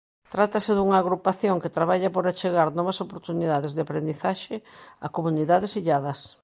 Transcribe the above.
Trátase dunha agrupación que traballa por achegar novas oportunidades de aprendizaxe a comunidades illadas.